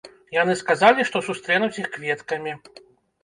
Яны сказалі, што сустрэнуць іх кветкамі.